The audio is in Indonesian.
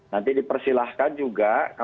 nanti dipersilahkan juga